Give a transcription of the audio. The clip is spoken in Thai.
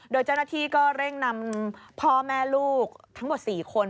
โดยเจ้าหน้าที่ก็เร่งนำพ่อแม่ลูกทั้งหมด๔คน